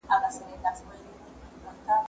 بیا به دی او خپله توره طویله سوه